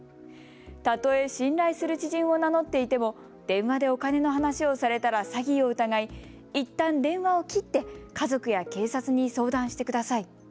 たとえ信頼する知人を名乗っていても電話でお金の話をされたら詐欺を疑いいったん電話を切って家族や警察に相談してください。